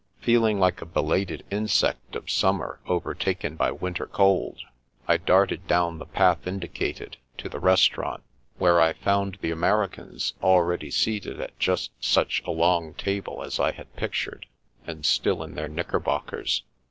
Feeling like a belated insect of summer overtaken by winter cold, I darted down the path indicated, to the restaurant, where I found the Americans, already seated at just such a long table as I had pictured, and still in their knickerbockers.